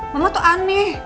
mama tuh aneh